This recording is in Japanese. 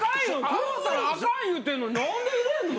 買うたらあかん言うてんのになんで入れんの？